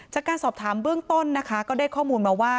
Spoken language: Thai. จากการสอบถามเบื้องต้นนะคะก็ได้ข้อมูลมาว่า